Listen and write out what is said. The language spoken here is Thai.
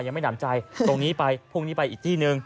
ยังไม่หนำใจตรงนี้ไปพรุ่งนี้ไปอีกที่หนึ่ง